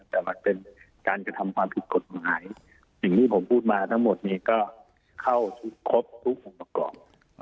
แต่มันเป็นการกระทำความผิดคนไหมสิ่งที่ผมพูดมาทั้งหมดนี่ก็เข้าทุกลบทุกมหาก่อน